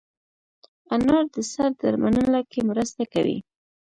انار د سر درملنه کې مرسته کوي.